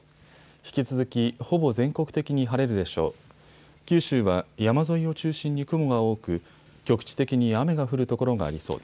引き続きほぼ全国的に晴れるでしょう。